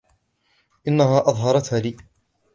إنها أظهرتها لي.